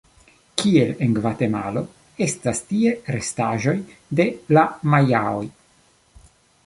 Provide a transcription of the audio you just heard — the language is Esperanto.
Kiel en Gvatemalo estas tie restaĵoj de la Majaoj.